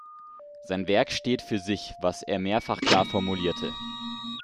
Sein Werk steht für sich, was er mehrfach klar formulierte.